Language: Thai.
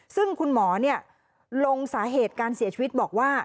ซึ่งคุณหมอลงสาเหตุการเสียชีวิตบอกว่า